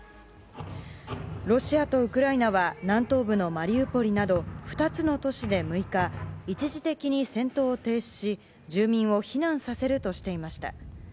ロシアとウクライナは南東部のマリウポリなど２つの都市で６日一時的に戦闘を停止し住民を避難させるなどしていました。